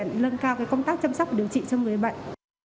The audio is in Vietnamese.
nâng cao cái công tác chăm sóc điều trị cho người bệnh